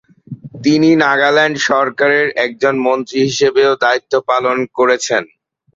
তিনি নাগাল্যান্ড সরকারের একজন মন্ত্রী হিসেবেও দায়িত্ব পালন করেছেন।